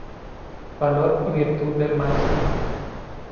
Valor y virtud del maestro.